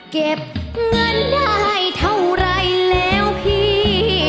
เก็บเงินได้เท่าไรแล้วพี่